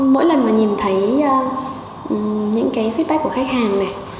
mỗi lần mà nhìn thấy những cái fitpac của khách hàng này